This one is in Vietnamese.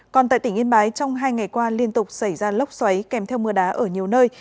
còn tại tỉnh yên bái trong hai ngày qua liên tục xảy ra lốc xoáy kèm theo mưa đá ở nhiều nơi